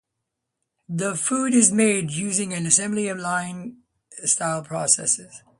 The food is made using an assembly line-style process.